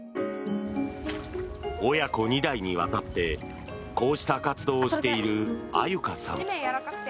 親子２代にわたってこうした活動をしている愛柚香さん。